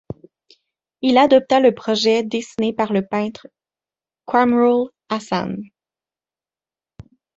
Il adopta le projet dessiné par le peintre Quamrul Hasan.